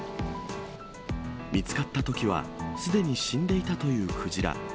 見つかったときはすでに死んでいたというクジラ。